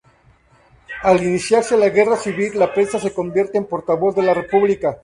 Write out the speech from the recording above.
Al iniciarse la guerra civil la prensa se convierte en portavoz de la república.